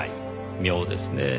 妙ですねぇ。